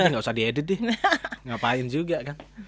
enggak usah diedit deh